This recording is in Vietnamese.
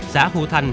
xã hù thanh